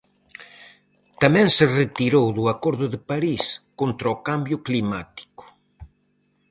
Tamén se retirou do acordo de París contra o cambio climático.